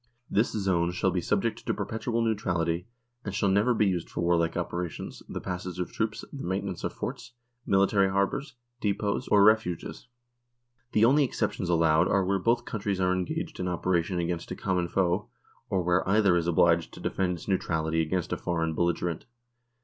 This zone shall be subject to perpetual neutrality, and shall never be used for warlike operations, the passage of troops, the maintenance of forts, military harbours, depots, or refuges. The only exceptions allowed are where both countries are engaged in operation against a common foe, or where either is obliged to defend its neutrality against a foreign belligerent.